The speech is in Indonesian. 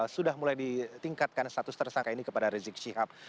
sudah mulai ditingkatkan status tersangka ini kepada rizik syihab